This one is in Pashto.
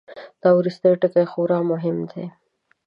دا وروستی ټکی خورا مهم دی.